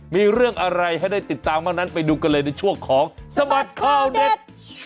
มีเรื่องอะไรให้ได้ติดตามบ้างนั้นไปดูกันเลยในช่วงของสบัดข่าวเด็ด